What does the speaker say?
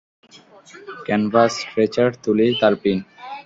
Canvas, stretcher, তুলি, তারপিন।